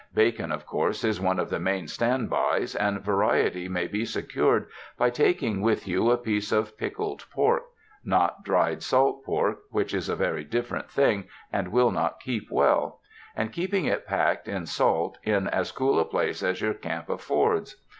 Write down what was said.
Bacon of course is one of the main standbys, and variety may be se cured by taking with you a piece of pickled pork (not dry salted pork, which is a very different thing and will not keep well) and keeping it packed in salt in as cool a place as your camp affords.